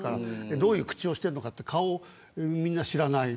どういう口をしているか顔をみんな知らない。